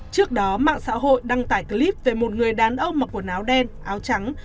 trước đó mạng xã hội đăng tải clip về một người đàn ông mặc quần áo đen áo trắng